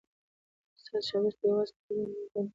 استاد شاګرد ته یوازې توري نه، بلکي د ژوند کولو آداب ور زده کوي.